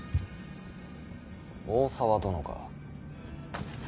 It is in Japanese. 大沢殿か。